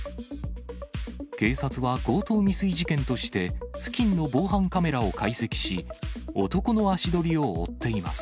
警察は強盗未遂事件として、付近の防犯カメラを解析し、男の足取りを追っています。